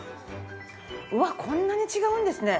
うわっこんなに違うんですね。